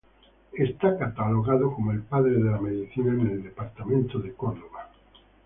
Está catalogado como el Padre de la medicina en el departamento de Córdoba.